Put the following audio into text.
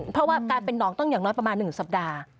เพราะว่ากลายเป็นน้องต้องอย่างน้อยประมาณ๑สัปดาห์